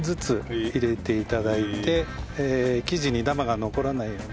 入れて頂いて生地にダマが残らないような。